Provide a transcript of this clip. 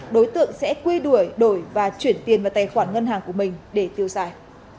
đối tượng sẽ quy đuổi đổi và chuyển tiền vào tài khoản ngân hàng của mình để tiêu xài